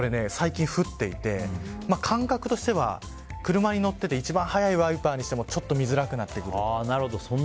結構、最近降っていて感覚としては車に乗っていて一番速いワイパーにしてもちょっと見づらくなってくる。